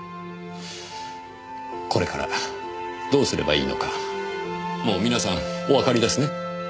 これからどうすればいいのかもう皆さんおわかりですね？